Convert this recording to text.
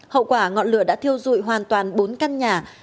hậu quả ngọn lửa đã thiêu dụi hoàn toàn bốn căn nhà